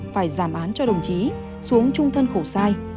phải giảm án cho đồng chí xuống trung thân khổ sai